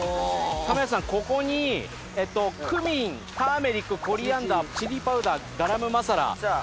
亀梨さん、ここにクミン、ターメリック、コリアンダー、チリパウダー、ガラムマサラ。